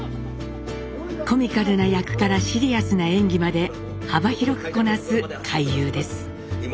コミカルな役からシリアスな演技まで幅広くこなす怪優です。